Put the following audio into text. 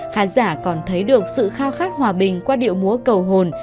khán giả còn thấy được sự khao khát hòa bình qua điệu múa cầu hồn